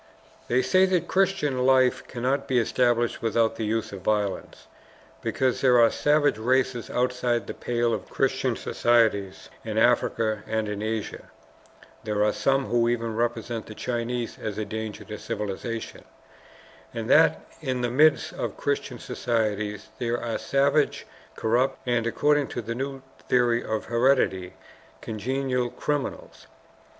They say that the Christian life cannot be established without the use of violence, because there are savage races outside the pale of Christian societies in Africa and in Asia (there are some who even represent the Chinese as a danger to civilization), and that in the midst of Christian societies there are savage, corrupt, and, according to the new theory of heredity, congenital criminals.